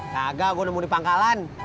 kagak gue nemu di pangkalan